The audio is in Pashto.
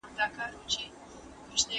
ړنده شې! دا ښېرا ما وکړله پر ما دې شي نو